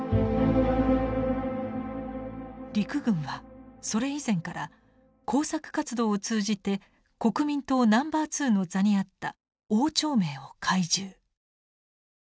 陸軍はそれ以前から工作活動を通じて国民党ナンバー２の座にあった汪兆銘を懐柔。